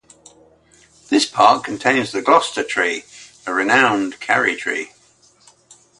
This park contains the Gloucester Tree, a renowned karri tree.